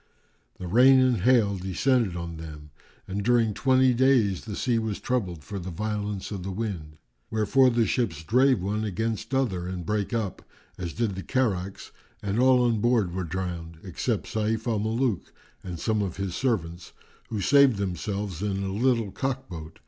The rain and hail[FN#398] descended on them and during twenty days the sea was troubled for the violence of the wind; wherefor the ships drave one against other and brake up, as did the carracks[FN#399] and all on board were drowned, except Sayf al Muluk and some of his servants, who saved themselves in a little cock boat.